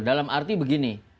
dalam arti begini